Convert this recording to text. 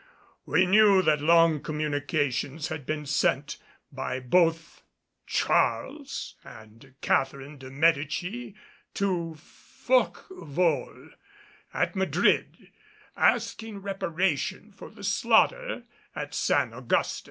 We knew that long communications had been sent by both Charles and Catherine de Medicis to Forquevaulx, at Madrid, asking reparation for the slaughter at San Augustin.